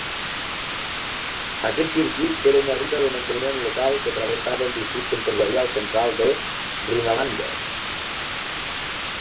Aquest circuit era una ruta de manteniment local que travessava el districte empresarial central de Rhinelander.